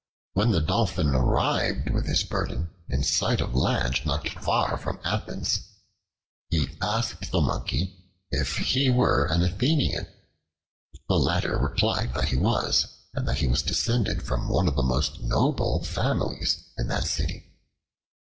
When the Dolphin arrived with his burden in sight of land not far from Athens, he asked the Monkey if he were an Athenian. The latter replied that he was, and that he was descended from one of the most noble families in that city.